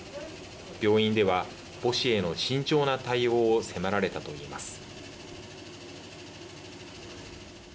病院では、母子への慎重な対応を迫られたといいます。